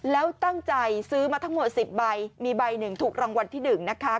แล้วตั้งใจซื้อมาทั้งหมด๑๐ใบมีใบหนึ่งถูกรางวัลที่๑นะคะ